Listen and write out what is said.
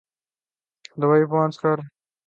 Dubai pitch پر runs کا target کافی ہو گا ٹرینٹ بولٹ